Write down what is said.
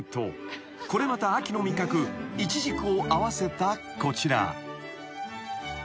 ［これまた秋の味覚イチジクを合わせたこちら］